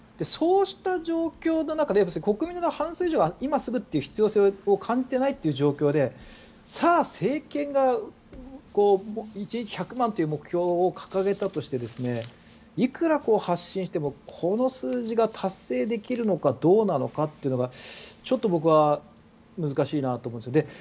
そうした状況の中で国民の半数以上は今すぐという必要性を感じていないという状況でさあ、政権が１日１００万という目標を掲げたとしていくら発信してもこの数字が達成できるのかどうなのかというのはちょっと僕は難しいなと思うんです。